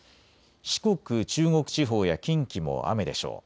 四国、中国地方や近畿も雨でしょう。